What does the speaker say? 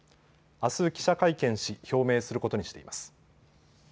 あす記者会見し表明することにしています。